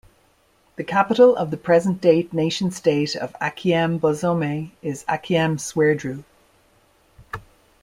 The capital of the present date nation state of Akyem Bosome is Akyem Swedru.